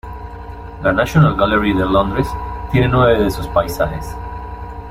La National Gallery de Londres tiene nueve de sus paisajes.